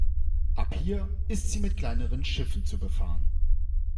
Ab hier ist sie mit kleineren Schiffen zu befahren.